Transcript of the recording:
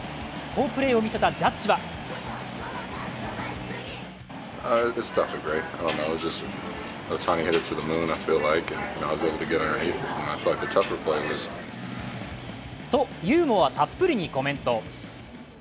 好プレーを見せたジャッジはとユーモアたっぷりにコメント。